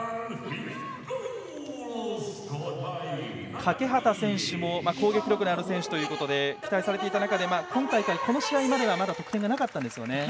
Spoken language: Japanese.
欠端選手も攻撃力のある選手ということで期待されていた中でしたがこの試合まではまだ得点がなかったんですよね。